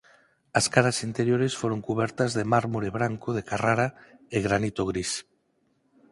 As caras interiores foron cubertas de mármore branco de Carrara e granito gris.